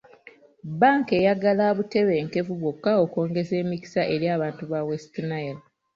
Bbanka eyagala butebenkevu bwokka okwongeza emikisa eri abantu ba West Nile .